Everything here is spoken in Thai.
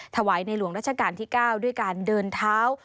ถวายในหลวงราชการที่๙ด้วยการเดินเท้า